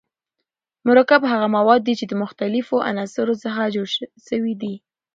مرکب هغه مواد دي چي د مختليفو عنصرونو څخه جوړ سوی وي.